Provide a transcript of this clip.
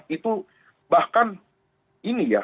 itu bahkan ini ya